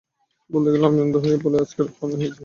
বলতে গেলে, আমি অন্ধ বলেই আজকের আমি হয়েছি।